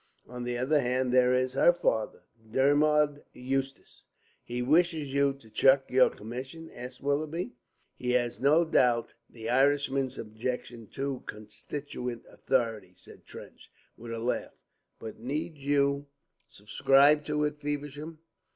On the other hand, there is her father, Dermod Eustace." "He wishes you to chuck your commission?" asked Willoughby. "He has no doubt the Irishman's objection to constituted authority," said Trench, with a laugh. "But need you subscribe to it, Feversham?"